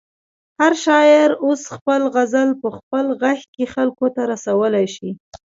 هر شاعر اوس خپل غزل په خپل غږ کې خلکو ته رسولی شي.